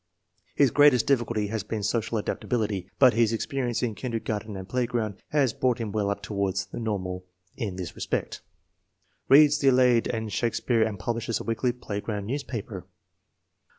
His greatest difficulty has been social adaptability, but his experience in kindergarten and playground has brought him well up toward the nor mal in this respect. Reads the Iliad and Shakespeare and publishes a weekly playground newspaper."